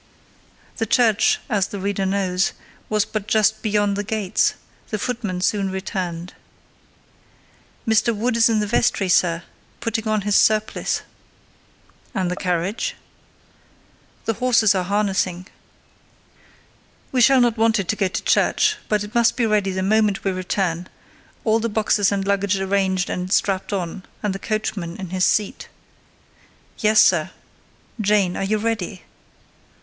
The church, as the reader knows, was but just beyond the gates; the footman soon returned. "Mr. Wood is in the vestry, sir, putting on his surplice." "And the carriage?" "The horses are harnessing." "We shall not want it to go to church; but it must be ready the moment we return: all the boxes and luggage arranged and strapped on, and the coachman in his seat." "Yes, sir." "Jane, are you ready?"